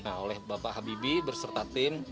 nah oleh bapak habibie berserta tim